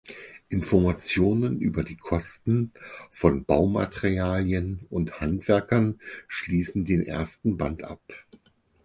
Informationen über die Kosten von Baumaterialien und Handwerkern schließen den ersten Band ab.